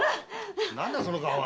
何だその顔は。